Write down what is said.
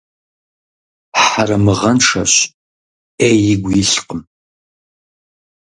Хьэрэмыгъэншэщ, Ӏей игу илъкъым.